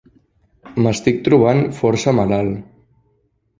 M'estic trobant força malalt.